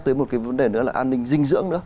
tới một cái vấn đề nữa là an ninh dinh dưỡng nữa